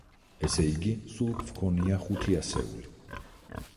ესე იგი, სულ გვქონია ხუთი ასეული.